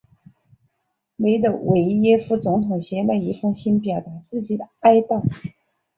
美的维耶夫总统写了一封信表达自己的哀悼。